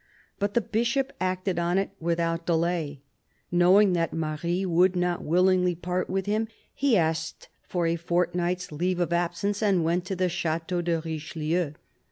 But the Bishop acted on it without delay. Knowing that Marie would not willingly part with him, he asked for a fortnight's leave of absence and went to the Chateau de Richelieu.